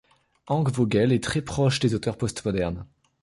Hank Vogel est très proche des auteurs postmodernes.